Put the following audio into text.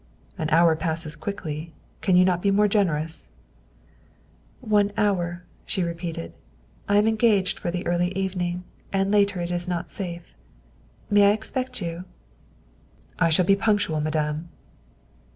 "An hour passes quickly. Can you not be more generous ?''" One hour," she repeated. " I am engaged for the early evening, and later it is not safe. May I expect you?" " I shall be punctual, Madame."